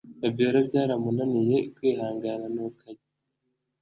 Fabiora byaramunaniye kwihangana nuko ajya